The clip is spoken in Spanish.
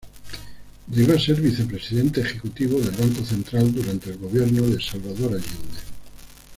Llegó a ser Vicepresidente Ejecutivo del Banco Central, durante el gobierno de Salvador Allende.